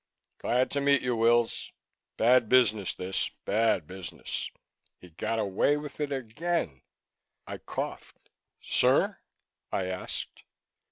"Glad to meet you, Wills. Bad business, this. Bad business. He got away with it again." I coughed. "Sir?" I asked.